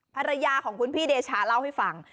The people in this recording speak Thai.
ภรรยาของคุณพี่เดชาเล่าให้ฟัง